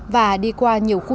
và đi qua các hành vi vi vi phạm